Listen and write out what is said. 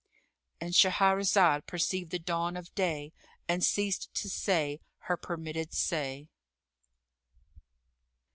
— And Shahrazad perceived the dawn of day and ceased to say her permitted say.